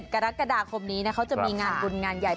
กรกฎาคมนี้นะเขาจะมีงานบุญงานใหญ่